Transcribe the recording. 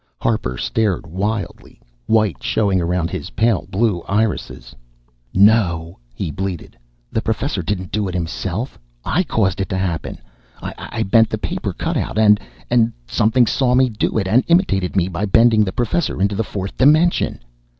Harper stared wildly, white showing around his pale blue irises. "No!" he bleated. "The Professor didn't do it himself I caused it to happen. I bent the paper cutout, and and Something saw me do it, and imitated me by bending the Professor into the fourth dimension!"